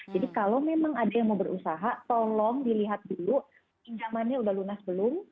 jadi kalau memang ada yang mau berusaha tolong dilihat dulu pinjamannya udah lunas belum